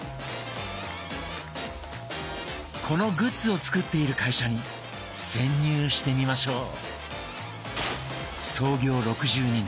このグッズを作っている会社に潜入してみましょう。